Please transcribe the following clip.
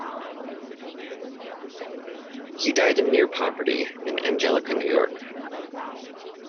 He died in near-poverty in Angelica, New York.